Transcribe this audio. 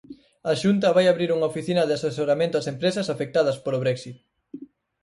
A Xunta vai abrir unha oficina de asesoramento ás empresas afectadas polo Brexit.